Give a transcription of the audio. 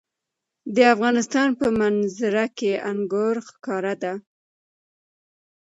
د افغانستان په منظره کې انګور ښکاره ده.